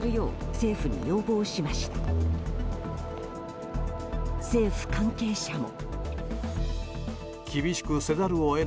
政府関係者も。